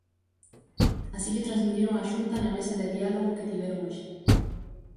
Así llo transmitiron á Xunta na mesa de diálogo que tiveron hoxe.